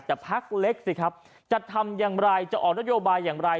แต่พักเล็กสิครับจะทำอย่างไรจะออกนโยบายอย่างไร